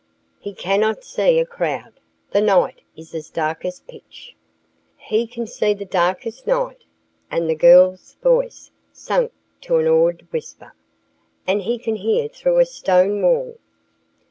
"He cannot see a crowd. The night is as dark as pitch." "He can see in the darkest night," and the girl's voice sank to an awed whisper, "and he can hear through a stone wall."